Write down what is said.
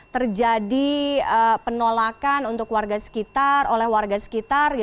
terjadi penolakan oleh warga sekitar